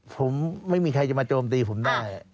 ผมไม่มีใครจะมาโจมตีผมได้